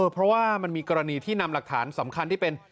เพราะว่ามันมีกรณีที่นำหลักฐานสำคัญที่เป็น